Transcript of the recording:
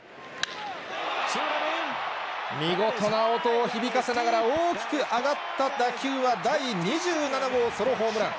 見事な音を響かせながら、大きく上がった打球は、第２７号ソロホームラン。